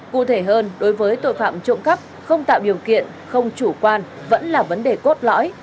cụ thể hơn đối với tội phạm trộm cắp không tạo điều kiện không chủ quan vẫn là vấn đề cốt lõi